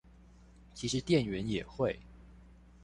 其實店員也會